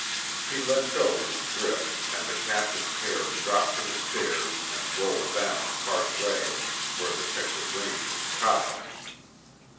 He let go his grip, and the captive pair dropped to the stairs and rolled down part way, where the Texas Rangers caught them.